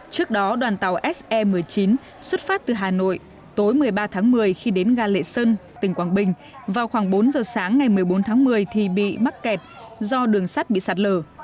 trước đó đoàn tàu se một mươi chín xuất phát từ hà nội tối một mươi ba tháng một mươi khi đến ga lệ sơn tỉnh quảng bình vào khoảng bốn giờ sáng ngày một mươi bốn tháng một mươi thì bị mắc kẹt do đường sắt bị sạt lở